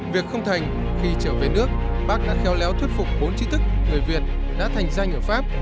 việc không thành khi trở về nước bác đã khéo léo thuyết phục bốn trí thức người việt đã thành danh ở pháp